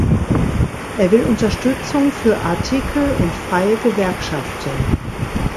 Er will Unterstützung für -Artikel und freie Gewerkschaften.